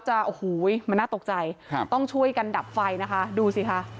โอ้โหมันน่าตกใจครับต้องช่วยกันดับไฟนะคะดูสิค่ะ